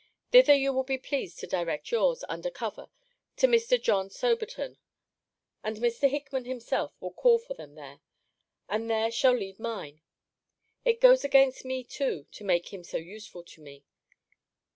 Thither you will be pleased to direct yours, under cover, to Mr. John Soberton; and Mr. Hickman himself will call for them there; and there shall leave mine. It goes against me too, to make him so useful to me.